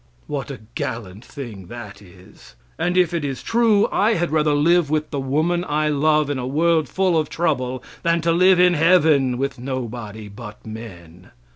What a gallant thing that is! And if it is true, I had rather live with the woman I love in a world full of trouble, than to live in heaven with nobody but men.